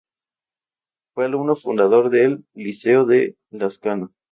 Fue alumno fundador del liceo de Lascano.